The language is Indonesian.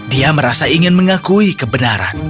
dia merasa ingin mengakui kebenaran